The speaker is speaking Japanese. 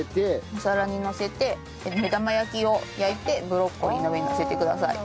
お皿にのせて目玉焼きを焼いてブロッコリーの上にのせてください。